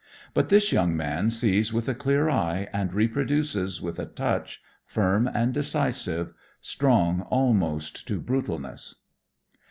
But this young man sees with a clear eye, and reproduces with a touch, firm and decisive, strong almost to brutalness.